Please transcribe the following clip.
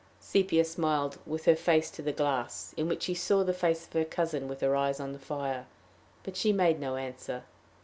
Sepia smiled, with her face to the glass, in which she saw the face of her cousin with her eyes on the fire; but she made no answer.